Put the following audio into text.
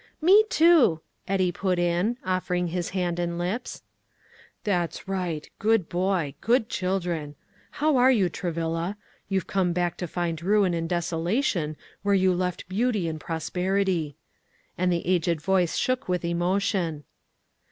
"Me too," Eddie put in, offering his hand and lips. "That's right; good boy; good children. How are you, Travilla? You've come back to find ruin and desolation where you left beauty and prosperity;" and the aged voice shook with emotion.